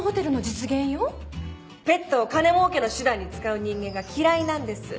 ペットを金儲けの手段に使う人間が嫌いなんです。